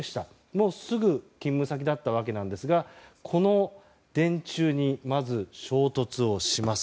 もうすぐ勤務先だったわけですがこの電柱に、まず衝突します。